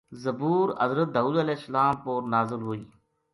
زبور حضرت داود علیہ السلام اپر نازل ہوئی۔